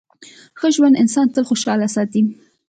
ښه ژوند انسان تل خوشحاله ساتي.